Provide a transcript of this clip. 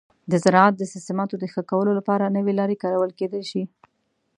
د زراعت د سیستماتو د ښه کولو لپاره نوي لارې کارول کیدی شي.